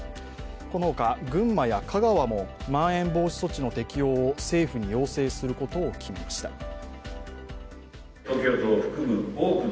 この他、群馬や香川もまん延防止措置の適用を政府に要請することを決めました。